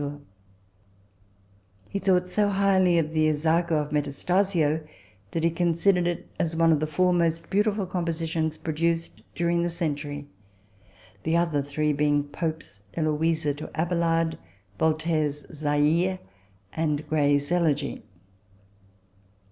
TABLE TALK OF SAMUEL ROGERS 57 He thought so highly of the " Isaeco " of Metas tasio, that he considered it as one of the four most beautiful compositions produced during the century ; the other three being Pope's " Eloisa to Abelard," Voltaire's " Zaire," and Gray's " Elegy."